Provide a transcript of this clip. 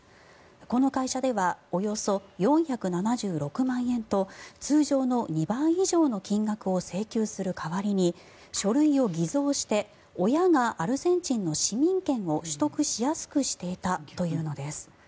この会社ではおよそ４７６万円と通常の２倍以上の金額を請求する代わりに書類を偽造して親がアルゼンチンの市民権を取得しやすくしていたというのです。